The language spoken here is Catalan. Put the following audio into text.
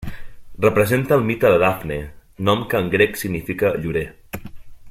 Representa el mite de Dafne, nom que en grec significa llorer.